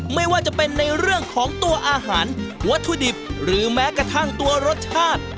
ไม่ว่าจะเป็นในเรื่องของตัวอาหารวัตถุดิบหรือแม้กระทั่งตัวรสชาติ